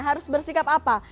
harus bersikap apa